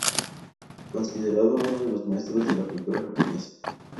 Es considerado uno de los maestros de la pintura japonesa.